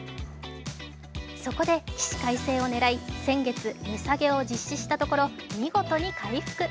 そこで、起死回生を狙い先月値下げを実施したところ、見事に回復。